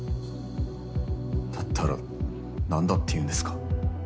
だったら何だって言うんですか？